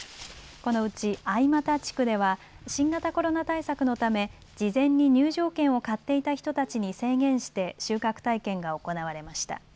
このうち相又地区では新型コロナ対策のため事前に入場券を買っていた人たちに制限して収穫体験が行われました。